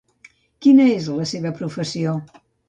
Quina és la seva professió?